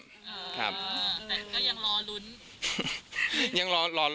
แต่ก็ยังรอลุ้น